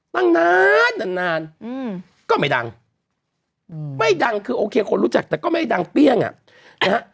นานก็ไม่ดังไม่ดังคือโอเคคนรู้จักแต่ก็ไม่ดังเปรี้ยงอ่ะ